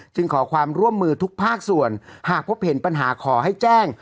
ขอความร่วมมือทุกภาคส่วนหากพบเห็นปัญหาขอให้แจ้ง